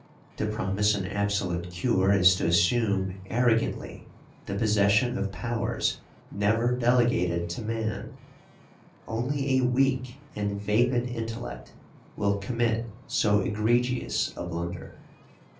To promise an absolute cure is to assume arrogantly the possession of powers never delegated to man; only a weak and vapid intellect will commit so egregious a blunder.